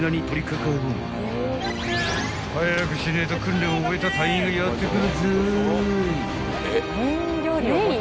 ［早くしねえと訓練を終えた隊員がやって来るぞい］